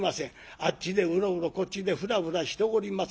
あっちでうろうろこっちでふらふらしております